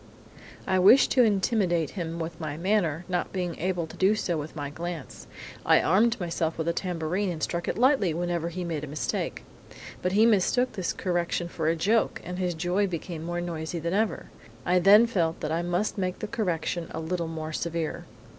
"I wished to intimidate him with my manner, not being able to do so with my glance. I armed myself with a tambourine and struck it lightly whenever he made a mistake. But he mistook this correction for a joke, and his joy became more noisy than ever. I then felt that I must make the correction a little more severe.